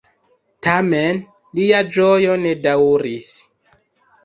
Tamen, lia ĝojo ne daŭris.